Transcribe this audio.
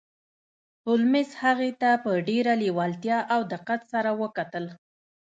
هولمز هغې ته په ډیره لیوالتیا او دقت سره وکتل